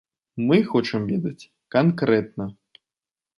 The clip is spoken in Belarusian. Мы хочам ведаць канкрэтна.